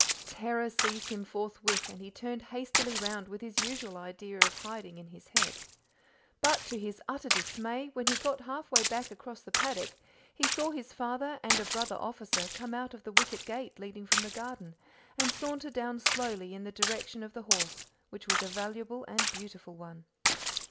Terror seized him forthwith, and he turned hastily round with his usual idea of hiding in his head. But to his utter dismay, when he got half way back across the paddock he saw his father and a brother officer come out of the wicket gate leading from the garden and saunter slowly down in the direction of the horse, which was a valuable and beautiful one.